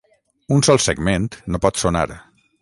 Un sol segment no pot sonar.